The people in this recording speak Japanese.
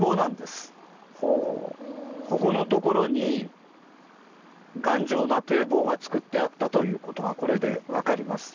ここのところに頑丈な堤防がつくってあったということがこれでわかります。